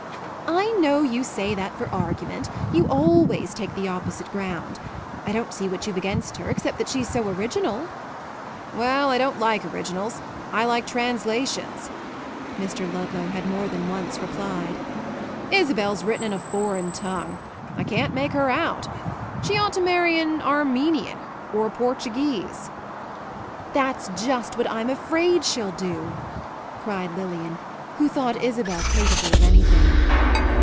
"I know you say that for argument; you always take the opposite ground. I don't see what you've against her except that she's so original." "Well, I don't like originals; I like translations," Mr. Ludlow had more than once replied. "Isabel's written in a foreign tongue. I can't make her out. She ought to marry an Armenian or a Portuguese." "That's just what I'm afraid she'll do!" cried Lilian, who thought Isabel capable of anything.